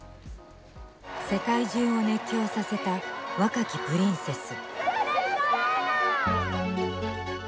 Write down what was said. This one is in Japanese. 世界中を熱狂させた若きプリンセス。